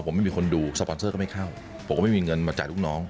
ผมไม่มีคนดูสปอนเซอร์ก็ไม่เข้าผมก็ไม่มีเงินมาจ่ายลูกน้อง